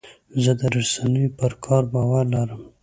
زه د رسنیو پر کار باور لرم.